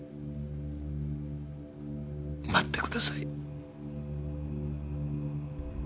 待ってください。